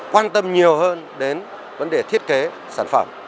quan tâm nhiều hơn đến vấn đề thiết kế sản phẩm